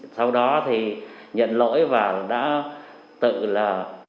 sau đó thì nhận lỗi và đã tự là